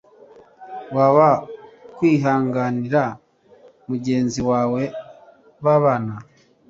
wapfa kwihanganira mugenzi we babana